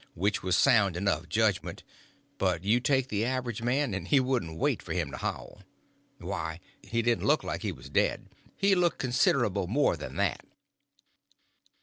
Which was sound enough judgment; but you take the average man, and he wouldn't wait for him to howl. Why, he didn't only look like he was dead, he looked considerable more than that.